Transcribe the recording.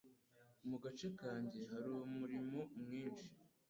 Mu gace kanjye hari umuriro mwinshi.